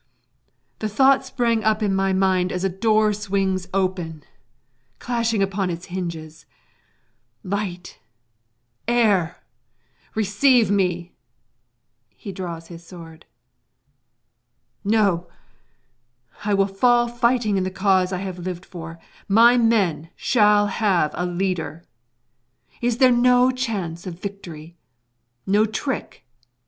The thought sprang up in my mind as a door swings open, clashing upon its hinges; light, air, receive me! [He draws his sword.] No; I will fall fighting in the cause I have lived for my men shall have a leader! Is there no chance of victory? no trick?